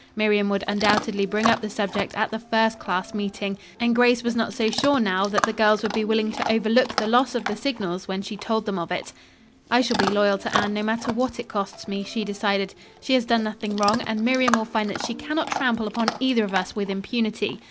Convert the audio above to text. Miriam would undoubtedly bring up the subject at the first class meeting, and Grace was not so sure, now, that the girls would be willing to overlook the loss of the signals when she told them of it. "I shall be loyal to Anne, no matter what it costs me," she decided. "She has done nothing wrong, and Miriam will find that she cannot trample upon either of us with impunity.